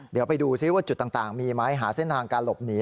เดี๋ยวไปดูซิว่าจุดต่างมีไหมหาเส้นทางการหลบหนี